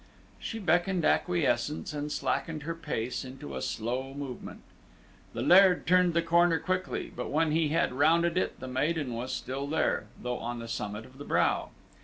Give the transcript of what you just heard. She beckoned acquiescence, and slackened her pace into a slow movement. The Laird turned the corner quickly, but when he had rounded it the maiden was still there, though on the summit of the brow.